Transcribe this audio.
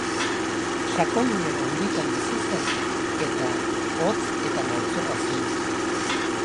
Sakonune handitan bizi zen eta hotz eta maltzurra zen.